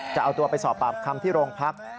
จะเอาตัวไปสอบปากคำที่โรงพัก